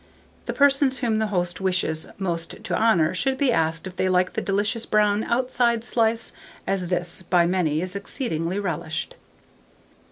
The persons whom the host wishes most to honour should be asked if they like the delicious brown outside slice, as this, by many, is exceedingly relished.